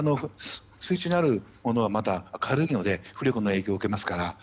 水中にあるものはまだ軽いので浮力の影響を受けますから。